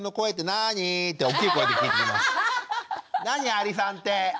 アリさんって！」。